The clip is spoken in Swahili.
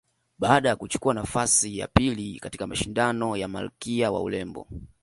Baada ya kuchukua nafasi ya pili katika mashindano ya malkia wa urembo